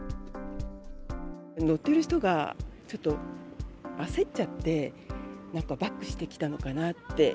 乗ってる人が、ちょっと焦っちゃって、なんかバックしてきたのかなって。